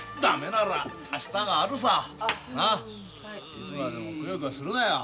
いつまでもくよくよするなよ。